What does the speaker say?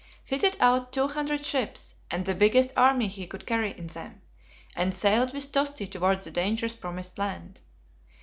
Fitted out two hundred ships, and the biggest army he could carry in them; and sailed with Tosti towards the dangerous Promised Land.